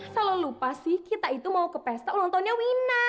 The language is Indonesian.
selalu lupa sih kita itu mau ke pesta ulang tahunnya wina